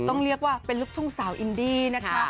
ต้องเรียกว่าเป็นลูกทุ่งสาวอินดี้นะคะ